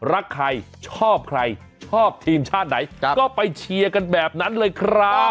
รักใครชอบใครชอบทีมชาติไหนก็ไปเชียร์กันแบบนั้นเลยครับ